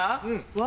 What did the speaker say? うわ！